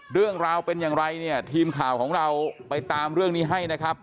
เรื่องราวเป็นอย่างไรเนี่ยทีมข่าวของเราไปตามเรื่องนี้ให้นะครับ